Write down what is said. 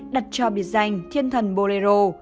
đặt cho biệt danh thiên thần bolero